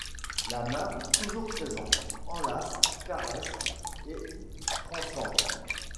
La main, toujours présente, enlace, caresse, et transcende.